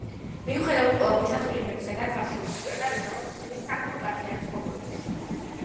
მიუხედავად ყველაფრისა, წყვილი მეფისაგან თავს შორს იჭერდა, რის გამოც ისინი სამეფო კარზე არ ცხოვრობდნენ.